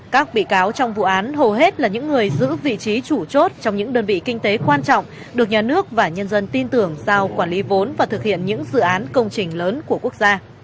các bị cáo trong vụ án hầu hết là những người giữ vị trí chủ chốt trong những đơn vị kinh tế quan trọng được nhà nước và nhân dân tin tưởng giao quản lý vốn và thực hiện những dự án công trình lớn của quốc gia